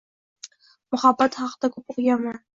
Muhabbat haqida koʻp oʻqiganman.